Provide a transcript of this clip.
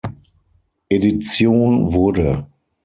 Edition wurde.